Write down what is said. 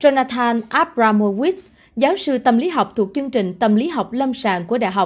jonathan abramowitz giáo sư tâm lý học thuộc chương trình tâm lý học lâm sàng của đh